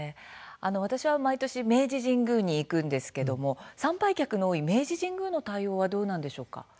私は毎年明治神宮に行くんですけれども参拝客の多い明治神宮の対応はどうなんでしょうか。